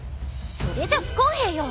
それじゃ不公平よ！